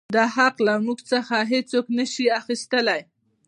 دا حـق لـه مـوږ څـخـه هـېڅوک نـه شـي اخيـستلى.